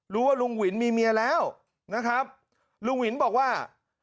รู้ว่าลุงหวินมีเมียแล้วนะครับลุงหวินบอกว่า